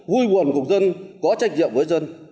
vui buồn cùng dân có trách nhiệm với dân